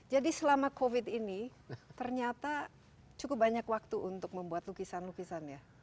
jadi selama covid ini ternyata cukup banyak waktu untuk membuat lukisan lukisan